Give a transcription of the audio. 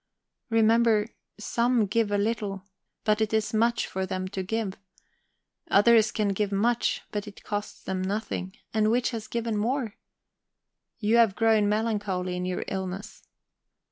Remember, some give a little, but it is much for them to give; others can give much, and it costs them nothing and which has given more? You have grown melancholy in your illness.